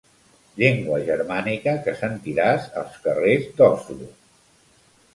Llengua germànica que sentiràs als carrers d'Oslo.